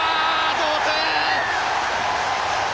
同点！